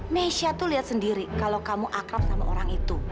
mesha tuh lihat sendiri kalau kamu akrab sama orang itu